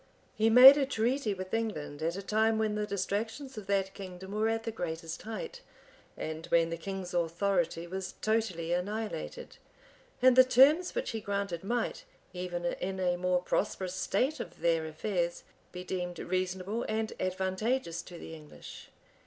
He made a treaty with England at a time when the distractions of that kingdom were at the greatest height, and when the king's authority was totally annihilated; and the terms which he granted might, even in a more prosperous state of their affairs, be deemed reasonable and advantageous to the English.